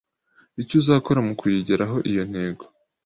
’icyo uzakora mu kuyigeraho iyo ntego